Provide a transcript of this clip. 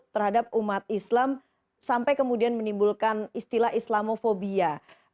terhadap umat islam sampai kemudian menimbulkan istilah islamofobia